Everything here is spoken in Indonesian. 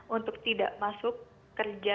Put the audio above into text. untuk tidak masuk kerja